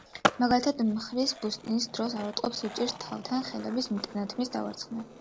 მაგალითად, მხრის ბურსიტის დროს ავადმყოფს უჭირს თავთან ხელების მიტანა, თმის დავარცხნა.